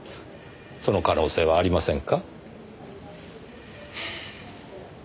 その可能性はありませんか？